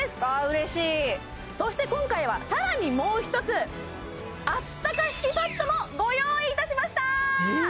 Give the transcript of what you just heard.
うわあ嬉しいそして今回は更にもう一つあったか敷パッドもご用意いたしました